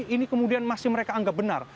ini kemudian masih mereka anggap benar